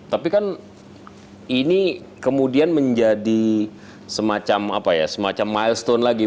tapi kan ini kemudian menjadi semacam milestone lagi